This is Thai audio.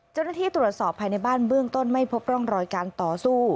เจ้าหน้าที่ตรวจสอบภายในบ้านเบื้องต้นไม่พบร่องรอยการต่อสู้